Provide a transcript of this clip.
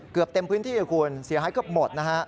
เกือบเต็มพื้นที่คุณเสียหายก็หมด